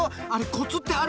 コツってあるの？